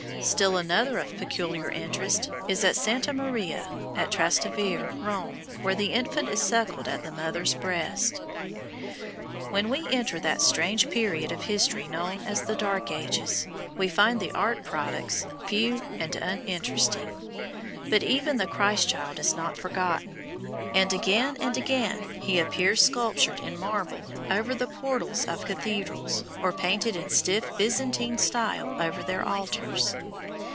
Still another of peculiar interest is at Santa Maria in Trastevere (Rome), where the Infant is suckled at his mother's breast. When we enter that strange period of history known as the Dark Ages, we find the art products few and uninteresting; but even then the Christ child is not forgotten, and again and again he appears sculptured in marble over the portals of cathedrals, or painted in stiff Byzantine style over their altars.